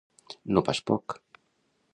No pas poc!